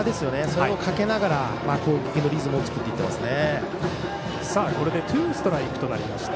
それもかけながら攻撃のリズムを作っていっていますね。